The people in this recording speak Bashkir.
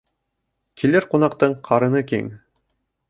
Килер ҡунаҡтың ҡарыны киң.